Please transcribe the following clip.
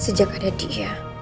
sejak ada dia